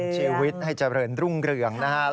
นำชีวิตให้จะเปลินรุ่งเหลืองนะฮะ